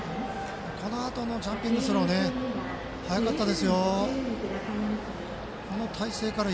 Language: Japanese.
このあとのジャンピングスロー速かったですよ。